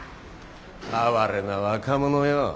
哀れな若者よ